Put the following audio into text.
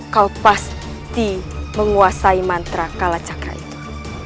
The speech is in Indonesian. kau pasti menguasai mantra kalacakra itu